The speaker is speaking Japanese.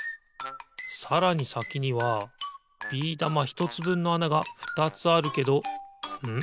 さらにさきにはビー玉ひとつぶんのあながふたつあるけどん？